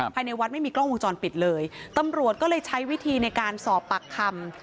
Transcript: ภายในวัดไม่มีกล้องวงจรปิดเลยตำรวจก็เลยใช้วิธีในการสอบปากคำ